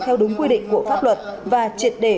theo đúng quy định của pháp luật và triệt để